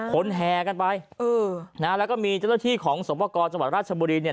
โคนแหกันไปและมีเจ้าที่ของศพวกรจ้างจังหวัดรัชบุรี